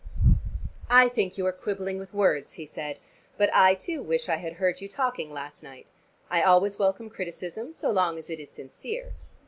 "I think you are quibbling with words," he said. "But I, too, wish I had heard you talking last night. I always welcome criticism so long as it is sincere."